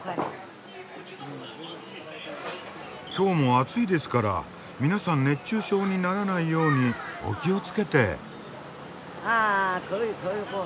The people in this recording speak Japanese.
きょうも暑いですから皆さん熱中症にならないようにお気をつけて。